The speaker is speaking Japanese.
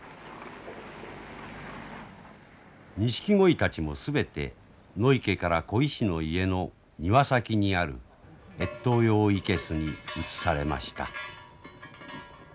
ニシキゴイたちも全て野池から鯉師の家の庭先にある越冬用生けすに移されました。